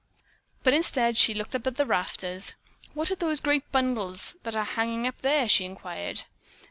But instead she looked up at the rafters. "What are those great bundles that are hanging up there?" she inquired.